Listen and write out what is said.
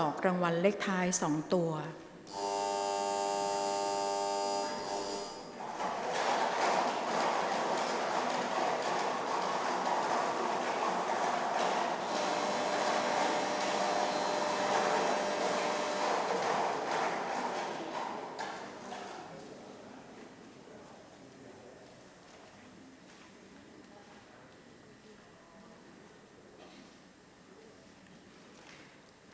ออกรางวัลเลขหน้า๓ตัวครั้งที่๒